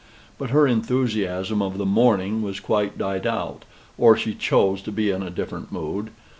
But her enthusiasm of the morning was quite died out, or she chose to be in a different mood.